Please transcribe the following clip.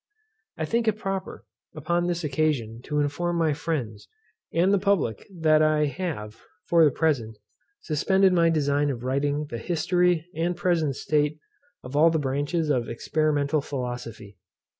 I think it proper, upon this occasion, to inform my friends, and the public, that I have, for the present, suspended my design of writing the history and present state of all the branches of experimental philosophy.